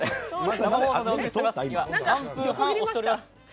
３分半、押しております。